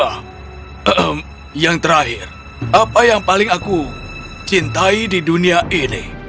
hmm yang terakhir apa yang paling aku cintai di dunia ini